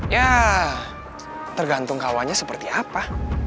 ya tergantung kawannya seperti apa